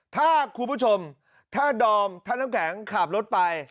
ถ้าคุณผู้ชมถ้าดอมถ้าน้ำแข็งขับรถไป